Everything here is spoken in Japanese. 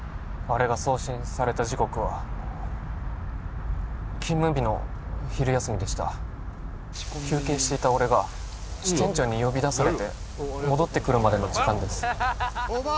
あれが送信された時刻は勤務日の昼休みでした休憩していた俺が支店長に呼び出されて戻ってくるまでの時間です大庭